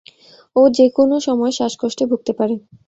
ও যে কোনও সময় শ্বাসকষ্টে ভুগতে পারে!